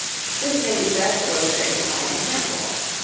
This may be best illustrated by an example.